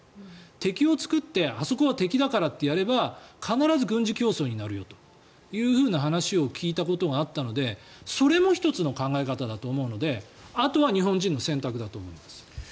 敵を作ってあそこは敵だからってやれば必ず軍事競争になるよという話を聞いたことがあったのでそれも１つの考え方だと思うのであとは日本人の選択だと思います。